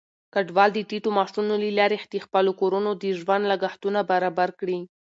کډوال د ټيټو معاشونو له لارې د خپلو کورونو د ژوند لګښتونه برابر کړي.